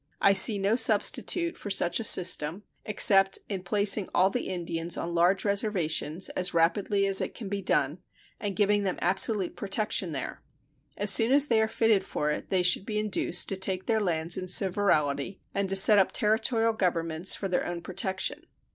I see no substitute for such a system, except in placing all the Indians on large reservations, as rapidly as it can be done, and giving them absolute protection there. As soon as they are fitted for it they should be induced to take their lands in severalty and to set up Territorial governments for their own protection.